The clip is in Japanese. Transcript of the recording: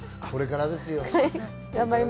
これからですよ。